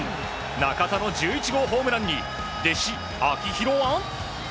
中田の１１号ホームランに弟子・秋広は。